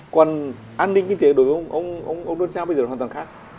còn an ninh kinh tế đối với ông ông donald trump bây giờ hoàn toàn khác